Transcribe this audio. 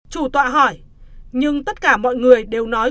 chủ tọa hỏi nhưng tất cả mọi người đều nói